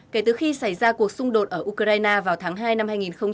kể từ khi xảy ra cuộc xung đột ở ukraine vào tháng hai năm hai nghìn hai mươi